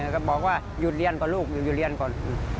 ก็บอกว่าหยุดเรียนก่อนลูกหยุดเรียนก่อน